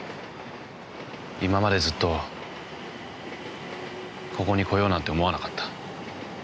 今までずっとここに来ようなんて思わなかった。